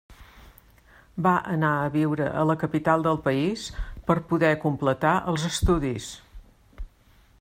Va anar a viure a la capital del país per poder completar els estudis.